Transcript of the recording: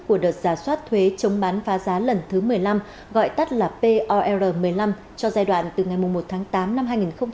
của đợt giả soát thuế chống bán phá giá lần thứ một mươi năm gọi tắt là pr một mươi năm cho giai đoạn từ ngày một tháng tám năm hai nghìn hai mươi